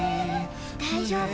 大丈夫。